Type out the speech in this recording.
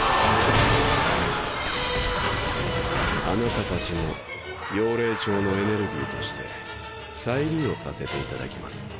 あなた達も妖霊蝶のエネルギーとして再利用させていただきます。